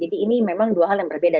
jadi ini memang dua hal yang berbeda